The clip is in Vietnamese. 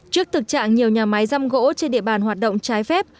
trước thực trạng nhiều nhà máy giam gỗ trên địa bàn hoạt động trái phép